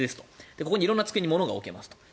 ここに色んなものを置けますと。